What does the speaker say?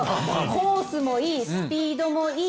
コースもいい、スピードもいい。